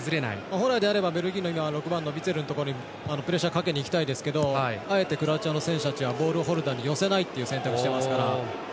本来であれば、ベルギーの６番のウィツェルのところにプレッシャーをかけたいですけどあえてクロアチアの選手たちはボールを寄せない選択をしていますから。